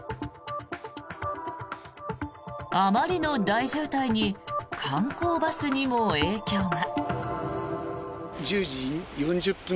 あまりの大渋滞に観光バスにも影響が。